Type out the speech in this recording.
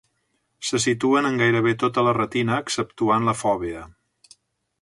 Se situen en gairebé tota la retina exceptuant la fòvea.